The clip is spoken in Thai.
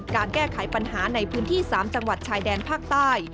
การแก้ไขปัญหาในพื้นที่๓จังหวัดชายแดนภาคใต้